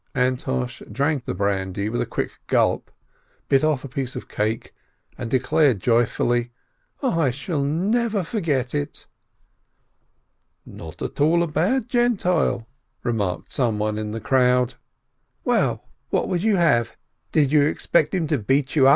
Antosh drank the brandy with a quick gulp, bit off a piece of cake, and declared joyfully, "I shall never forget it !" "Not at all a bad Gentile," remarked someone in the crowd. "Well, what would you have? Did you expect him to beat you?"